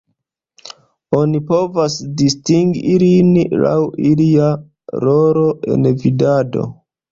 Oni povas distingi ilin laŭ ilia rolo en vidado.